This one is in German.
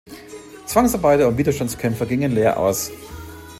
Zwangsarbeiter und Widerstandskämpfer gingen leer aus.